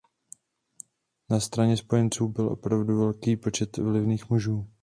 Na straně spojenců byl opravdu velký počet vlivných mužů.